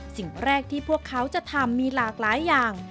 สิ่งแรกที่พวกเขาจะทำมีหลากหลายอย่าง